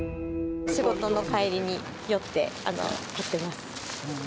仕事の帰りに寄って、買ってます。